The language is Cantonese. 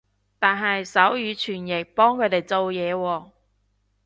但係手語傳譯幫佢哋做嘢喎